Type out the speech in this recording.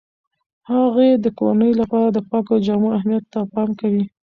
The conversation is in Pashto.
هغې د کورنۍ لپاره د پاکو جامو اهمیت ته پام کوي.